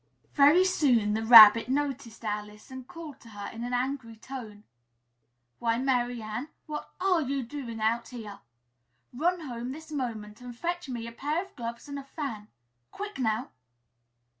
Very soon the Rabbit noticed Alice, and called to her, in an angry tone, "Why, Mary Ann, what are you doing out here? Run home this moment and fetch me a pair of gloves and a fan! Quick, now!"